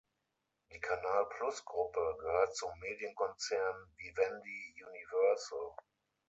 Die Canal-Plus-Gruppe gehört zum Medienkonzern Vivendi Universal.